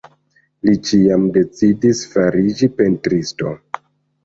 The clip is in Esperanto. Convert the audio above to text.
Li tiam decidis fariĝi pentristo.